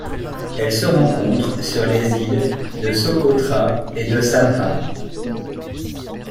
Elle se rencontre sur les îles de Socotra et de Samhah.